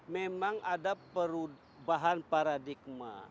memang ada perubahan paradigma